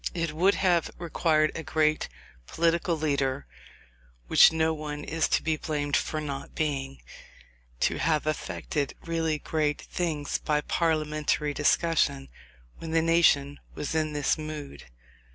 It would have required a great political leader, which no one is to be blamed for not being, to have effected really great things by parliamentary discussion when the nation was in this mood.